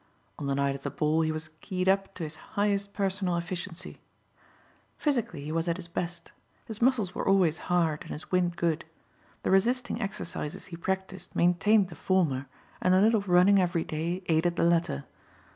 On the night of the ball he was keyed up to his highest personal efficiency. Physically he was at his best. His muscles were always hard and his wind good. The resisting exercises he practised maintained the former and a little running every day aided the latter.